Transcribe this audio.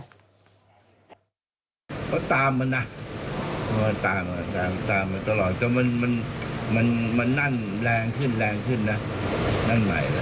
ก็ตามมันนะตามมันตลอดแต่มันนั่นแรงขึ้นแรงขึ้นนะนั่นใหม่แล้ว